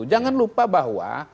jangan lupa bahwa